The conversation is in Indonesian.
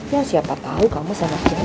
ya siapa tau kamu sama kindong